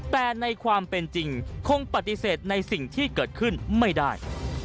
แต่ในความเป็นจริงคงปฏิเสธในสิ่งที่เกิดขึ้นไม่ได้